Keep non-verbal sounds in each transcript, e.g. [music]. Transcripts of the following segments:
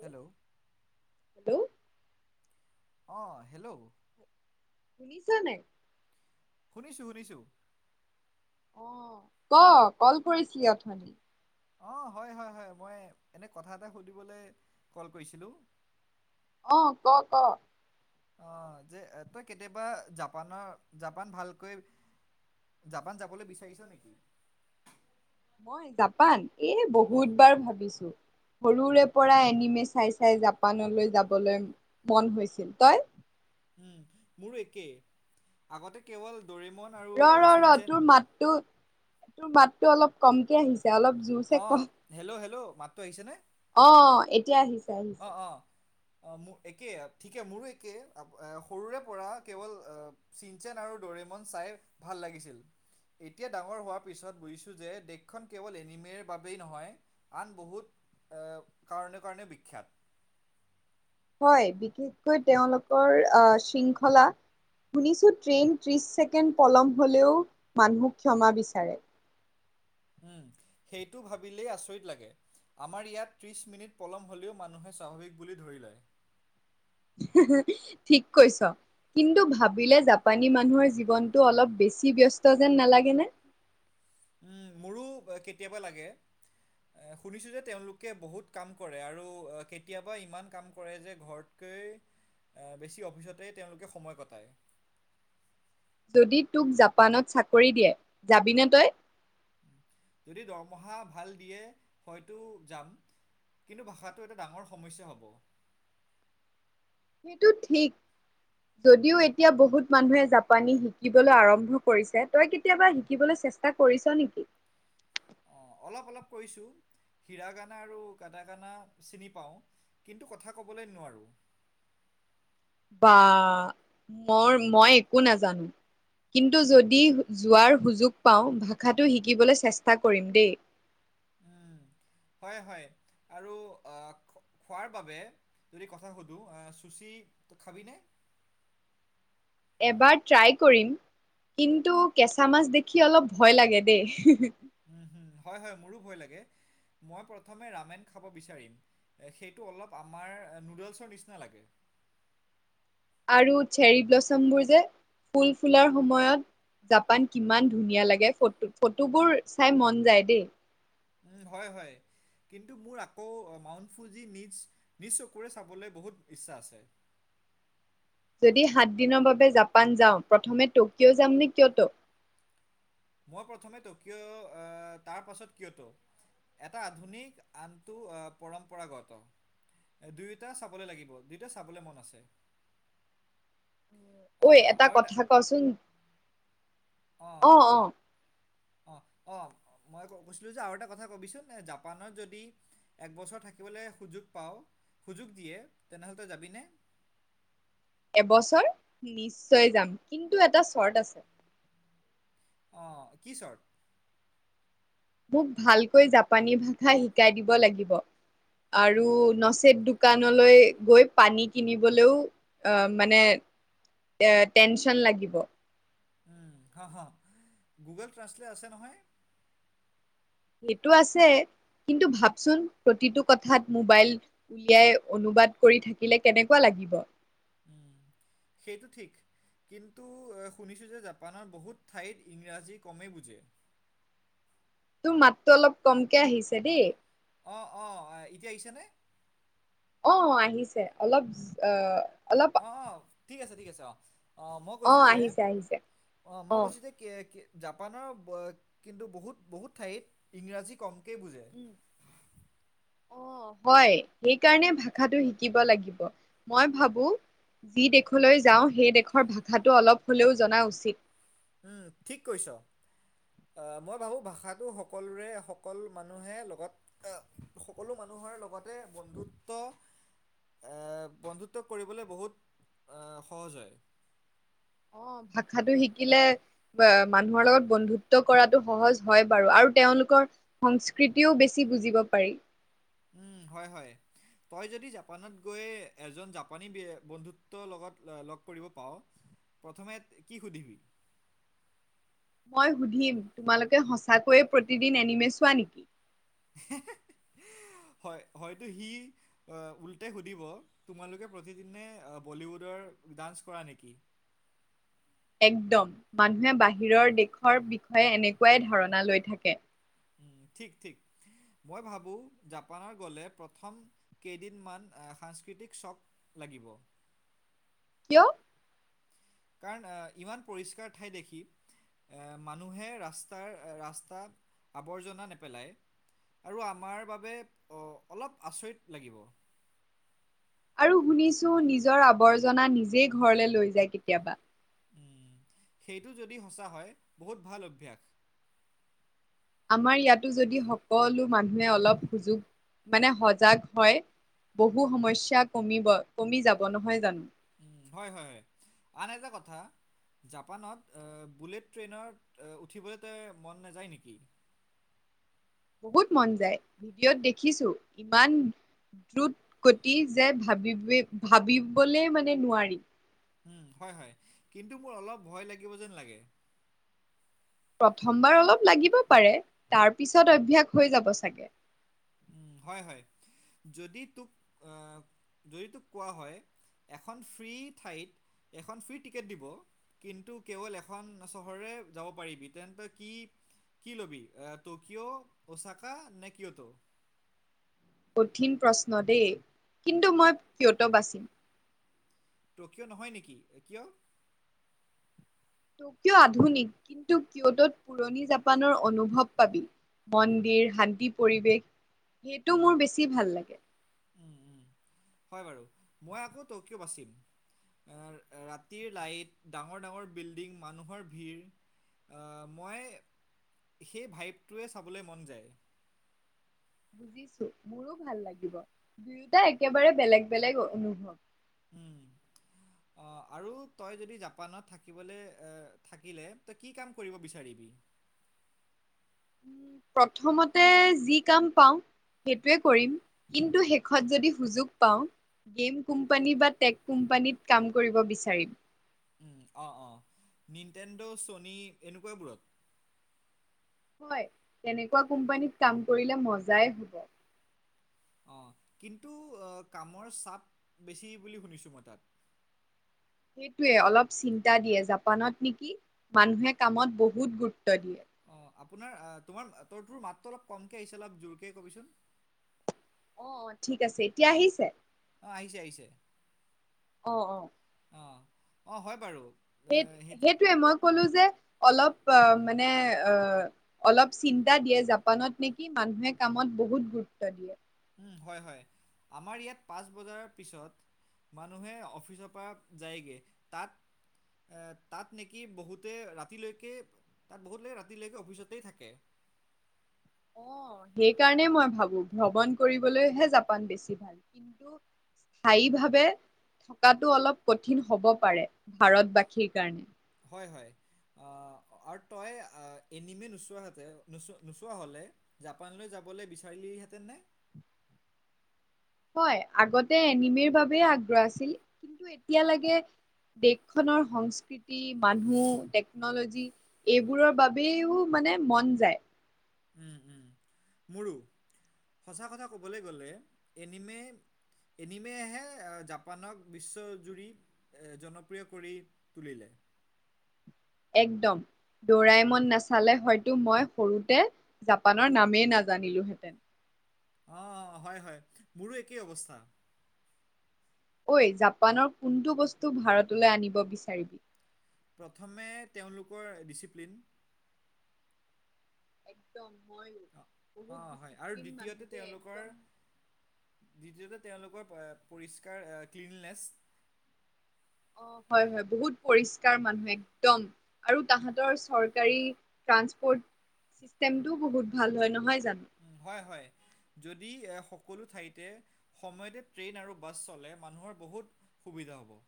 Hello hello অহ hello. শুনিছ নাই শুনিছোঁ শুনিছোঁ। অ ক কল কৰিছিলি অথনি অ হয় হয় হয় মই এনে কথা এটা সুধিবলে কল কৰিছিলোঁ। অ ক ক। অহ যে তই কেতিয়াবা জাপানৰ জাপান ভালকৈ জাপান যাবলৈ বিচাৰিছ নেকি? মই জাপান এই অঁ বহুত বাৰ ভাবিছোঁ। সৰুৰে পৰা এনিমে চাই চাই জাপানলৈ যাবলৈ উম মোৰো একেই আগতে কেৱল। দৰিমন আৰু ৰ ৰ ৰ চিনচেন তোৰ মাতটো তোৰ মাতটো অলপ কমকে আহিছে। অলপ জোৰছে অঁ কৱক হেল্ল' হেল্ল' মাতটো আহিছেনে অ এতিয়া আহিছে আহিছে। অঁ অঁ অ একে ঠিকে মোৰো একে আ সৰুৰে পৰা কেৱল চিনচেন আৰু দৰি মন চায়ে ভাল লাগিছিল। এতিয়া ডাঙৰ হোৱাৰ পিছত বুজিছোঁ যে দেশখন কেৱল এনিমেৰ বাবেই নহয় আন বহুত এ কাৰণে কাৰণে বিখ্যাত। হয় বিশেষকৈ তেওঁলোকৰ অহ শৃংখলা শুনিছোঁ ট্ৰেইন ত্ৰিশ ছেকেণ্ড পলম হ'লেও মানুহক ক্ষমা বিচাৰে। উম সেইটো ভাবিলেই আচৰিত লাগে। আমাৰ ইয়াত ত্ৰিশ মিনিট পলম হলেও মানুহে স্বাভাৱিক বুলি ধৰিলয়। ঠিক কৈছ। কিন্তু ভাবিলে জাপানী মানুহৰ জীৱনটো অলপ বেছি ব্যস্ত যেন নালাগেনে! উম, [unintelligible] মোৰো কেতিয়াবা লাগে এ শুনিছো যে তেওঁলোকে বহুত কাম কৰে আৰু কেতিয়াবা ইমান কাম কৰে যে ঘৰত [unintelligible] বেছি অফিচতে তেওঁলোকে সময় কটায়। যদি তোক জাপানত চাকৰি দিয়ে যাবিনে তই যদি দৰমহা ভাল দিয়ে হয়তো যাম। কিন্তু ভাষাটো এটা ডাঙৰ সমস্যা হ'ব সেইটো ঠিক যদিও এতিয়া বহুত মানুহে জাপানী শিকিবলৈ আৰম্ভ কৰিছে তই কেতিয়াবা শিকিবলৈ চে চেষ্টা কৰিছ নিকি? অ অলপ অলপ কৈছোঁ হীৰা গানা আৰু কাটা গানা চিনি পাওঁ কিন্তু কথা ক'বলৈ নোৱাৰোঁ বা মৰ মই একো নেজানো কিন্তু যদি যোৱাৰ সুযোগ পাওঁ ভাষাটো শিকিবলৈ চেষ্টা কৰিম দেই। উম, হয় হয় আৰু অ খোৱাৰ বাবে যদি কথা সোধু চুচি খাবি নে এবাৰ ট্ৰাই কৰিম কিন্তু কেঁচা মাছ দেখি অলপ ভয় লাগে দেই। উম, হয় হয় মোৰো ভয় লাগে মই প্ৰথম ৰামেন খাব বিচাৰিম সেইটো অলপ আমাৰ নুডলছ নিচিনা লাগে [unintelligible] আৰু চেৰী ব্লাচম বোৰ যে ফুল ফুলাৰ সময়ত জাপান কিমান ধুনীয়া লাগে ফটো ফটোবোৰ চাই মন যায় দেই। উম হয় হয় কিন্তু মোৰ আকৌ মাউন ফুজি নিচ নিজ চকুৰে চাবলৈ বহুত ইচ্ছা আছে। [unintelligible] যদি সাতদিনৰ বাবে জাপান যাওঁ প্ৰথমে ট'কিঅ' যামনে কিয়ত মই প্ৰথমে তকিয় তাৰ পাছত কিয়ত এটা আধুনিক আনটো পৰম্পৰাগত দুয়োটা চাবলে লাগিব দুয়োটা চাবলে মন আছে। [unintelligible] ঐ আহ, এটা আৰু কথা কচোন অ অ অ অ মই কৈছিলো যে আৰু এটা কথা কবিচোন জাপানত যদি একবছৰ থাকিবলৈ সুযোগ পাওঁ সুযোগ দিয়ে তেনেহলে ত‌ই যাবিনে এবছৰ নিশ্চয় যাম কিন্তু এটা চৰ্ট আছে অ কি চৰ্ট মোক ভালকৈ জাপানী ভাষা শিকাই দিব লাগিব। আৰু নচেত দোকানলৈ গৈ পানী কিনিবলৈও অ মানে এ টেনচন লাগিব উ গুগল ট্ৰান্সলেট আছে নহয় সেটো আছে কিন্তু ভাবচোন প্ৰতিটো কথাত মোবাইল উলিয়াই অনুবাদ কৰি থাকিলে কেনেকুৱা লাগে লাগিব উম, সেইটো ঠিক কিন্তু শুনিছো যে জাপানৰ বহুত ঠাইত ইংৰাজী কমেই বুজে তোৰ মাতটো অলপ কমকে আহিছে দেই অ অ এতিয়া আহিছে নে অ আহিছে অলপ অ অলপ অঁ অঁ ঠিক আছে ঠিক আছে অ মই কৈছো যে আহিছে আহিছে অ মই কৈছো যে কি এ জাপানৰ কিন্তু বহুত বহুত ঠাইত ইংৰাজী কম তাকে বুজে উম অ হয় সেইকাৰণে ভাষাটো শিকিব লাগিব মই ভাবো। যি দেশলৈ যাওঁ সেই দেশৰ ভাষাটো অলপ হলেও জনা উচিত। উম ঠিক কৈছ। আহ মই ভাবো ভাষাটো সকলোৰে সকলো মানুহে লগত সকলো মানুহ লগতে বন্ধুত্ব বন্ধুত্ব কৰিবলৈ বহুত সহজ হয়। অ ভাষাটো শিকিলে বা মানুহৰ লগত বন্ধুত্ব কৰাটো সহজ হয় বাৰু আৰু তেওঁ তেওঁলোকৰ সংস্কৃতিও বেছি বুজিব পাৰি। উম হয় হয় তই যদি জাপানত গৈ এজন জাপানী বন্ধুত্বৰ লগত লগ কৰিব পাও প্ৰথমে কি সুধিবি। [unintelligible] মই সুধিম তোমালোকে সঁচাকৈয়ে প্ৰতিদিন এনিমি চোৱা নেকি। হে হে [inaudible] হয় হয়তো সি উল্টে সুধিব তোমালোকে প্ৰতিদিনে বলিউডৰ ডান্স কৰা নেকি। [inaudible] একদম মানুহে বাহিৰৰ দেশৰ বিষয়ে এনেকোৱাই ধাৰণা লৈ থাকে। উম ঠিক ঠিক মই ভাবো জাপানৰ গলে প্ৰথম কেইদিন মান সাংস্কৃতিক চক লাগিব কিয়। কাৰণ ইমান পৰিষ্কাৰ ঠাই দেখি। এ মানুহে ৰাস্তাৰ ৰাস্তা আৱৰ্জনা নেপেলায় আৰু আমাৰ বাবে অ অলপ আচৰিত লাগিব। আৰু শুনিছো নিজৰ আৱৰ্জনা নিজেই ঘৰলে লৈ যায় কেতিয়াবা। সেইটো যদি সঁচা হয় বহুত ভাল অভ্যাস আমাৰ ইয়াতো যদি সকলো মানুহে অলপ সুযোগ মানে সজাগ হয়। বহু সমস্যা কমিব কমি যাব নহয় জানো। হয় হয় হয় আন এটা কথা। জাপানত বুলেট ট্ৰেইনত উঠিবলৈ তই মন নাযায় নেকি। [inaudible] বহুত মন যায় ভিডিঅ'ত দেখিছো ইমান দ্ৰুত গতি যে ভাবিব ভাবিবলৈ মানে নোৱাৰি উম হয় হয় কিন্তু মোৰ অলপ ভয় লাগিব যেন লাগে। প্ৰথমবাৰ অলপ লাগিব পাৰে তাৰ পিছত অভ্যাস হৈ যাব চাগে। হয় হয় যদি তোক যদি তোক যদি তোক কোৱা হয়। এখন ফ্ৰী ঠাইত এখন ফ্ৰী টিকেট দিব কিন্তু কেৱল এখন চহৰৰে যাব পাৰিবি তেন্তে কি কি ল'বি ত কিয় চাকা নে কিয় ত কঠিন প্ৰশ্ন দেই কিন্তু মই কিয়ত বাচিম টকিঅ' নহয় নেকি কিয় টকিঅ' আধুনিক কিন্তু কিয় তত পুৰণি জাপানৰ অনুভৱ পাবি। মন্দিৰ শান্তি পৰিৱেশ সেইটো মোৰ বেছি ভাল লাগে। উম, উম। [inaudible] হয় বাৰু মই আকৌ টকিঅ' বাচিম। ৰাতিৰ লাইট ডাঙৰ ডাঙৰ বিল্ডিং মানুহৰ ভিৰ। মই সেই ভাইপটোৱে চাবলৈ মন যায়। বুজিছো মোৰো ভাল লাগিব দুয়োটা একেবাৰে বেলেগ বেলেগ অনুভৱ। [unintelligible] উম অ', আৰু তই যদি জাপানত থাকিবলৈ থাকিলে তই কি কাম কৰিব বিচাৰিবি। [unintelligible] প্ৰথমতে যি কাম পাওঁ। সেইটোৱে কৰিম কিন্তু শেষত যদি সুযোগ পাওঁ। গেম কোম্পানী বা টেক কোম্পানীত কাম কৰিব বিচাৰিম। উম অ অ নন্তেন্দ্ৰ চনি এনেকোৱা বোৰত। তেনেকোৱা কোম্পানীত কাম কৰিলে মজাই হ'ব। অ কিন্তু কামৰ চাপ বেছি বুলি শুনিছো মই তাত। [unintelligible] সেইটোয়ে অলপ চিন্তা দিয়ে জাপানত নেকি মানুহে কামত বহুত গুৰুত্ব দিয়ে। অ', আপোনাৰ আহ তোমাৰ তোৰ তোৰ মাতটো অলপ কমকে আহিছে। অলপ জোৰকে কবিচোন। অ' ঠিক আছে এতিয়া আহিছে। অহ আহিছে আহিছে। অহ অহ। অ' অ' হয় বাৰু। এ, সেই সেইটো সেইটয়ে মই ক'লো যে। অলপ অ' মানে অ' অলপ চিন্তা দিয়ে। জাপানত নেকি মানুহে কাম। ত বহুত গুৰুত্ব দিয়ে। উম হয় হয়। আমাৰ ইয়াত পাঁচ বজাৰ পিছত। মানুহে অফিচৰ পৰা যায়গে তাত। এ তাত নেকি বহুতে ৰাতিলৈকে। তাত বহুত লকে ৰাতিলৈকে অফিচতেই থাকে। অ' সেইকাৰণে মই ভাবো ভ্ৰমণ কৰিবলৈহে জাপান বেছি ভাল কিন্তু। স্থায়ী ভাৱে থকাতটো অলপ কঠিন হব পাৰে ভাৰতবাসীৰ কাৰণে। হয় হয়। [unintelligible] আৰু তই এনিমে নোচোৱা হতেচ নোচোৱা হলে জাপানলৈ যাবলৈ বিচাৰিলি হে। তেনে। হয়। আগতে এনিমিৰ বাবোব আগ্ৰহ আছিল। কিন্তু এতিয়া লাগে। দেশখনৰ সংস্কৃতি মানুহ টেকনলজি এইবোৰৰ বাবও মানে। মানে মন যায়। উম, উম। মোৰো সঁচা কথা ক'বলৈ গ'লে এনিমে। এনিমেহে জাপানক বিশ্বজুৰি জনপ্ৰিয় কৰি তুলিলে। একদম। দৌৰাই মন নাচালে হয়তো মই সৰুতে জাপানৰ নামেই নাজানিলোহেঁতেন। [inaudible] অ' হয় হয়।, মোৰো একেই অৱস্থা। ঐ জাপানৰ কোনটো বস্তু ভাৰতলৈ আনিব বিচাৰিবি। প্ৰথমে তেওঁলোকৰ ডিচিপ্লিন। একদম। মইও। অ' বহুত অ' হয় আৰু ডিচিপ্লিন মানুহ দ্বিতীয়তে দেই তেওঁলোকৰ একদম দ্বিতীয়তে। তেওঁলোকৰ পৰিষ্কাৰ ক্লিননেছ। অ হয় হয় বহুত পৰিষ্কাৰ মানুহ একদম আৰু তাহাঁতৰ চৰকাৰী ট্ৰানসপৰ্ট চিষ্টেম টোও বহুত ভাল হয় নহয়। জানো উ হয় হয়। যদি এ সকলো ঠাইতে সময়তে ট্ৰেইন আৰু বাছ চলে মানুহৰ বহুত। সুবিধা হ'ব।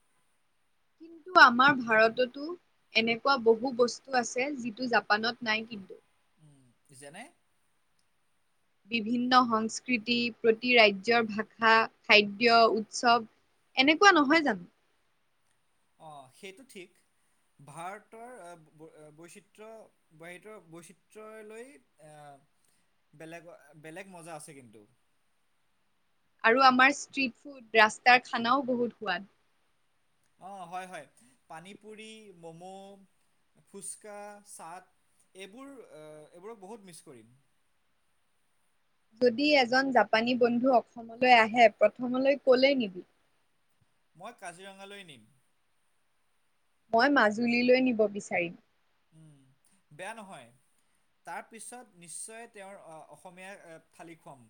[inaudible] কিন্তু আমাৰ ভাৰততো এনেকুৱা বহু বস্তু আছে যিটো জাপানত নাই কিন্তু। উম যেনে বিভিন্ন সংস্কৃতি প্ৰতি ৰাজ্যৰ ভাষা খাদ্য উৎসৱ। এনেকুৱা নহয় জানো অ সেইটো ঠিক ভাৰতৰ বৈচিত্ৰ বৰ বৈচিত্ৰলৈ আহ বেলেগ বেলেগ মজা আছে কিন্তু আৰু আমাৰ ষ্ট্ৰিট ফুড ৰাস্তাৰ খানাও বহুত সোৱাদ অ'হয় হয় পানী পুৰি ম'ম' ফুচকা চাট এইবোৰ এইবোৰক বহুত মিচ কৰিম যদি এজন জাপানী বন্ধু অসমলৈ আহে প্ৰথমলৈ কলে নিবি মই কাজিৰঙালৈ নিম মই মাজুলীলৈ নিব বিচাৰিম উম বেয়া নহয়। তাৰ পিছত নিশ্চয় তেওঁৰ অসমীয় থালি খুৱাম।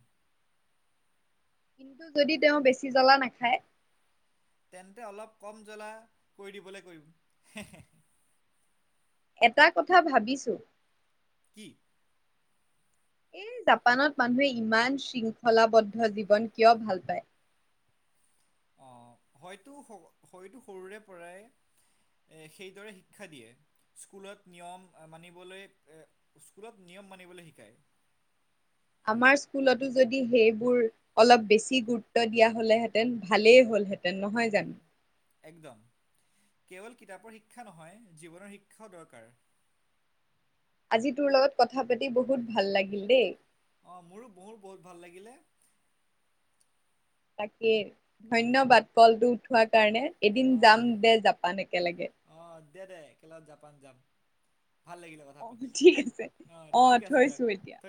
কিন্তু যদি তেওঁ বেছি জ্বলা নাখায় তেন্তে অলপ কম জ্বলা কৰি দিবলৈ কৰিম। এটা কথা ভাবিছোঁ কি? এই জাপানত মানুহে ইমান শৃংখলাবদ্ধ জীৱন কিয় ভাল পায়। অ হয়তো হয়তো সৰুৰে পৰাই এ সেইদৰে শিক্ষা দিয়ে স্কুলত নিয়ম মানিবলৈ এ স্কুলত নিয় নম মানিবলৈ শিকায়। [inaudible] আমাৰ স্কুলতো যদি সেইবোৰ অলপ বেছি গুৰুত্ব দিয়া হলেহেঁতেন ভালেই হ'ল হেতেন তেন নহয় জানো উম, একদম কেৱল কিতাপৰ শিক্ষা নহয় জীৱনৰ শিক্ষাও দৰকাৰ। [inaudible] যিটোৰ লগত কথা পাতি বহুত ভাল লাগিল দেই। অ মোৰো মোৰ বহুত ভাল লাগিলে। তাকী ধন্যবাদ কলটো উঠোৱাৰ কাৰণে এদিন যাম অ', দে জাপান একেলগে। অ', দে দে একেলগ জাপান যাম ভাল লাগিলে কথা আহ পাতি। ঠিক আছে অ আহ ঠিক আছে দিয়ক থৈছো এতিয়া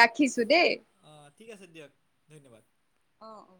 ৰাখিছো দেই। অঁ ঠিক আছে দিয়ক ধন্যবাদ। অ অ